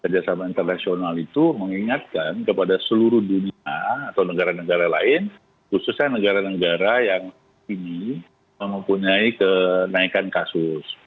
kerjasama internasional itu mengingatkan kepada seluruh dunia atau negara negara lain khususnya negara negara yang ini mempunyai kenaikan kasus